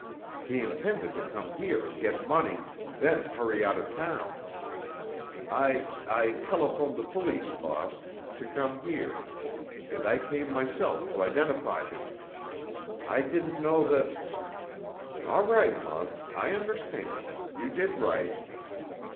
He intended to come here and get money, then hurry out of town. I—I telephoned the police, boss, to come here, and I came myself to identify him. I didn't know that——" "All right, Muggs. I understand. You did right."